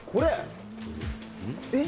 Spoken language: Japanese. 「えっ！